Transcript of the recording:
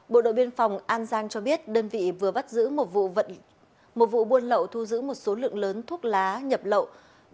bộ đội biên phòng an giang cho biết đơn vị vừa bắt giữ một vụ buôn lậu thu giữ một số lượng lớn thuốc lá nhập lậu